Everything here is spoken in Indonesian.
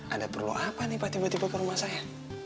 anda perlu apa nih pak tiba tiba ke rumah saya